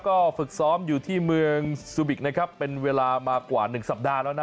ก็ฝึกซ้อมอยู่ที่เมืองซูบิกนะครับเป็นเวลามากว่าหนึ่งสัปดาห์แล้วนะ